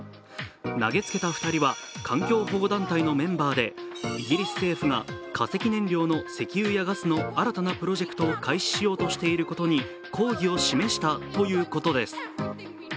投げつけた２人は環境保護団体のメンバーでイギリス政府が化石燃料の石油やガスの新たなプロジェクトを開始しようとしていることに抗議を示したということです。